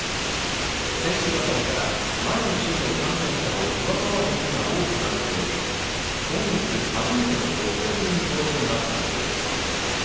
先週あたりから前の週の感染者を上回る日が多くなっており、今月初めての６００人超えとなったのです。